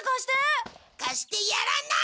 貸してやらない！